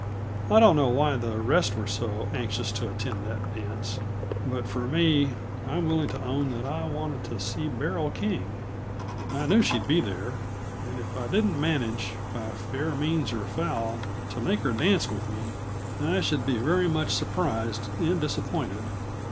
I don't know why the rest were so anxious to attend that dance, but for me, I'm willing to own that I wanted to see Beryl King. I knew she'd be there and if I didn't manage, by fair means or foul, to make her dance with me, I should be very much surprised and disappointed.